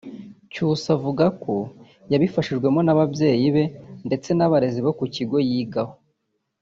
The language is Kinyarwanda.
Cyusa avuga ko yabifashijwemo n’ababyeyi be ndetse n’abarezi bo ku kigo yigaho